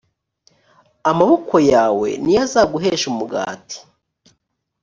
amaboko yawe niyo azaguhesha umugati.